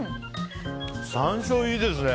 山椒いいですね。